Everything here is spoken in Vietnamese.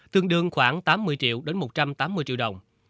tương đương khoảng tám mươi triệu đến một trăm tám mươi triệu đồng